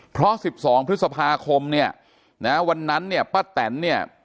เพราะ๑๒พฤษภาคมเนี่ยนะวันนั้นเนี่ยป้าแตนเนี่ย